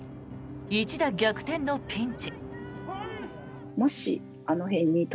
一打逆転のピンチ。